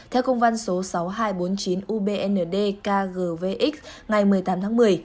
theo công văn số sáu nghìn hai trăm bốn mươi chín ubnd kgvx ngày một mươi tám tháng một mươi